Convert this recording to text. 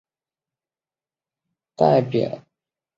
下表列出慕亚林县在州议会的代表。